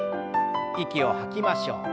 息を吐きましょう。